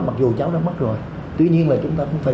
mặc dù cháu đã mất rồi tuy nhiên là chúng ta cũng phải